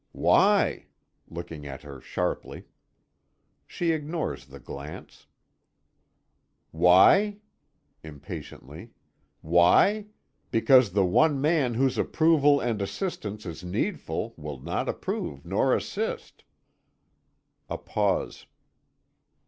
"Why?" looking at her sharply. She ignores the glance. "Why?" impatiently. "Why? Because the one man whose approval and assistance is needful will not approve nor assist." A pause.